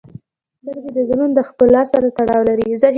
• سترګې د زړونو د ښکلا سره تړاو لري.